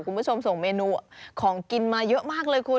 คุณผู้ชมส่งเมนูของกินมาเยอะมากเลยคุณ